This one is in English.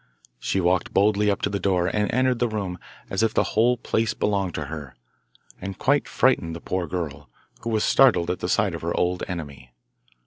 She walked boldly up to the door and entered the room as if the whole place belonged to her, and quite frightened the poor girl, who was startled at the sight of her old enemy.